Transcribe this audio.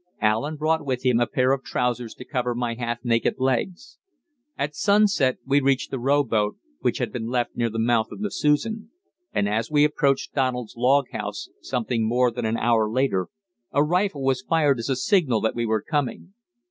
Allen brought with him a pair of trousers to cover my half naked legs. At sunset we reached the rowboat, which had been left near the mouth of the Susan, and as we approached Donald's log house something more than an hour later a rifle was fired as a signal that we were coming.